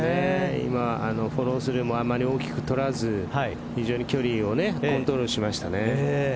今フォロースルーもあまり大きく取らず非常に距離をコントロールしましたね。